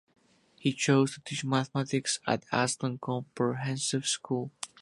He chose to teach mathematics at Aston Comprehensive school.